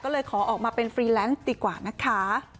ก็เลยขอออกมาเป็นฟรีแลนซ์ดีกว่านะคะ